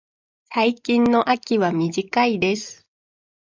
最近の秋は短いです。